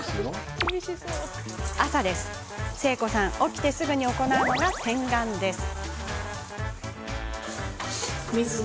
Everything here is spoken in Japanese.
朝、誠子さん、起きてすぐに行うのが洗顔です。